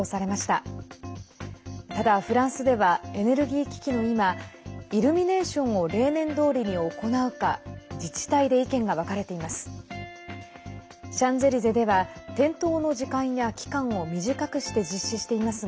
ただ、フランスではエネルギー危機の今イルミネーションを例年どおりに行うか自治体で意見が分かれています。